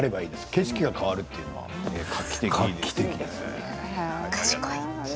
景色が変わるというのは画期的ですね。